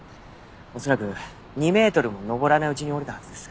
恐らく２メートルも登らないうちに折れたはずです。